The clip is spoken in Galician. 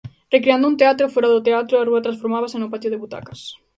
Recreando un teatro fóra do teatro, a rúa transformábase no patio de butacas.